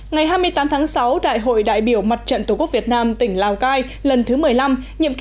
ngày hai mươi tám tháng sáu đại hội đại biểu mặt trận tổ quốc việt nam tỉnh lào cai lần thứ một mươi năm nhiệm kỳ hai nghìn hai mươi ba hai nghìn hai mươi